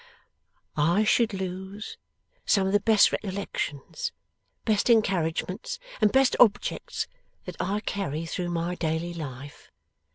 'I should lose some of the best recollections, best encouragements, and best objects, that I carry through my daily life.